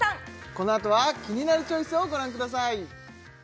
この後は「キニナルチョイス」をご覧ください